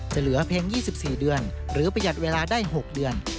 เหลือเพียง๒๔เดือนหรือประหยัดเวลาได้๖เดือน